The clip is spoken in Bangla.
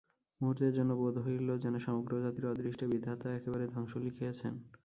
মুহূর্তের জন্য বোধ হইল, যেন সমগ্র জাতির অদৃষ্টে বিধাতা একেবারে ধ্বংস লিখিয়াছেন।